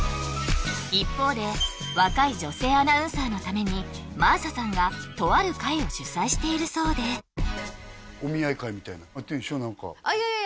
一方で若い女性アナウンサーのために真麻さんがとある会を主催しているそうであっいやいや